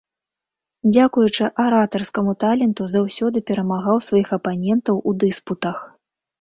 Дзякуючы аратарскаму таленту заўсёды перамагаў сваіх апанентаў у дыспутах.